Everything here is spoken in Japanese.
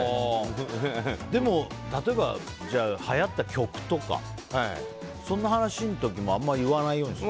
でも例えば、はやった曲とかそんな話の時もあまり言わないようにする？